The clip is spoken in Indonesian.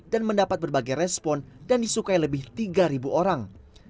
dan mendapat berbagai respon dan disukai lebih tiga ribu orang